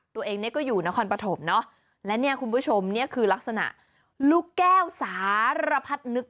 ตัวเองก็อยู่นะคอนประถมและคุณผู้ชมนี่คือลักษณะลูกแก้วสารพัดนึก